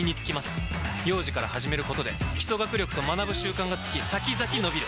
幼児から始めることで基礎学力と学ぶ習慣がつき先々のびる！